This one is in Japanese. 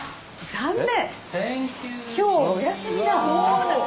残念！